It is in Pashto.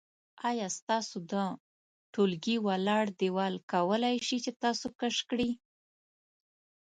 آیا ستاسو د ټولګي ولاړ دیوال کولی شي چې تاسو کش کړي؟